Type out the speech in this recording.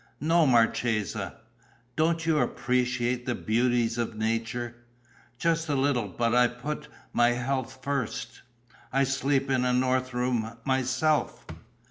"No, marchesa." "Don't you appreciate the beauties of nature?" "Just a little, but I put my health first." "I sleep in a north room myself."